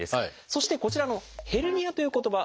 そしてこちらの「ヘルニア」という言葉。